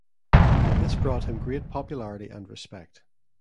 This brought him great popularity and respect.